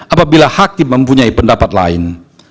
apabila hakim mempunyai pendapat lain